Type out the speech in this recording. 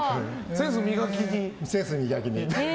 センス磨きに。